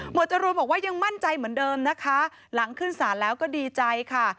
จรูนบอกว่ายังมั่นใจเหมือนเดิมนะคะหลังขึ้นศาลแล้วก็ดีใจค่ะ